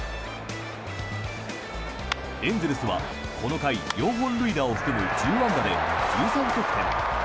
エンゼルスはこの回４本塁打を含む１０安打で１３得点。